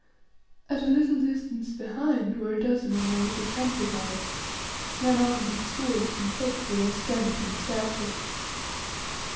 At a little distance behind were a dozen or more of the temple guards, men armed with swords and picked for their strength and stature.